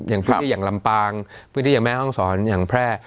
อย่างพื้นที่อย่างลำปางพื้นที่อย่างแม่ห้องศรอย่างแพร่